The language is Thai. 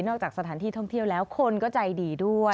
จากสถานที่ท่องเที่ยวแล้วคนก็ใจดีด้วย